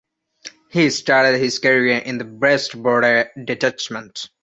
He started his career in the Brest border detachment.